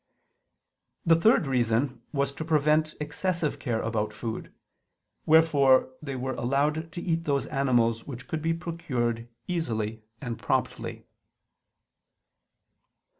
The third reason was to prevent excessive care about food: wherefore they were allowed to eat those animals which could be procured easily and promptly.